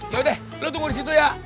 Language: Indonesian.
yaudah lu tunggu disitu ya